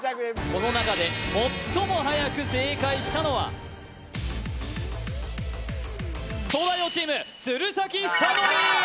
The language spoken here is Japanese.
この中で最もはやく正解したのは東大王チーム鶴崎修功